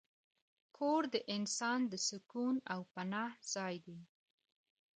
کور د انسان د سکون او پناه ځای دی.